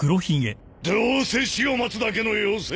どうせ死を待つだけの余生。